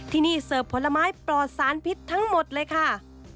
ที่นี่เสิร์ฟผลไม้ปลอดสารพิษทั้งหมดเลยค่ะ